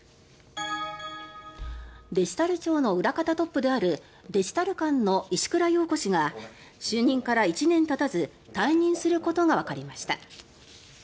デジタル庁の事務方トップであるデジタル監の石倉洋子氏が就任から１年たたず退任することがわかりました。